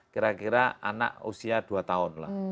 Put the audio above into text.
kira kira anak usia dua tahun lah